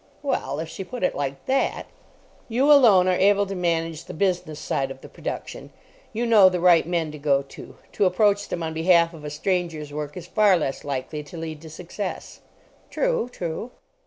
Well, if she put it like that—— "You alone are able to manage the business side of the production. You know the right men to go to. To approach them on behalf of a stranger's work is far less likely to lead to success." (True, true.)